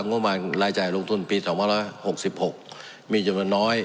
งบประมาณรายจ่ายลงทุนปี๒๖๖มีจำนวนน้อย